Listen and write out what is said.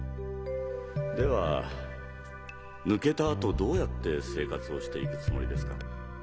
では抜けたあとどうやって生活をしていくつもりですか？